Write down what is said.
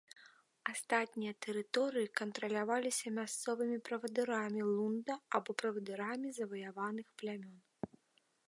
Астатнія тэрыторыі кантраляваліся мясцовымі правадырамі лунда або правадырамі заваяваных плямён.